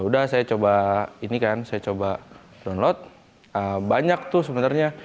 udah saya coba ini kan saya coba download banyak tuh sebenarnya